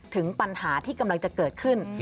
ถึงปัญหาที่กำลังจะเกิดขึ้น